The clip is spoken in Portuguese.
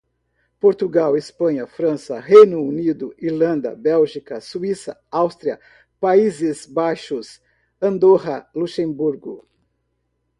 Portugal, Espanha, França, Reino Unido, Irlanda, Bélgica, Suíça, Áustria, Países Baixos, Andorra, Luxemburgo